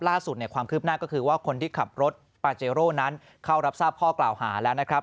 ล่าสุดความคืบหน้าก็คือว่าคนที่ขับรถปาเจโร่นั้นเข้ารับทราบข้อกล่าวหาแล้วนะครับ